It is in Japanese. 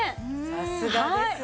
さすがですね。